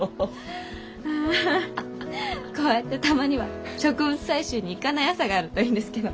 あこうやってたまには植物採集に行かない朝があるといいんですけど。